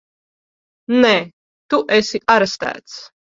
Nē! Tu esi arestēts!